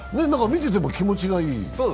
見てても気持ちがいい。